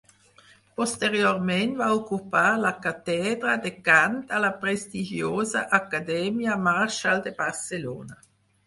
Posteriorment va ocupar la càtedra de Cant a la prestigiosa Acadèmia Marshall de Barcelona.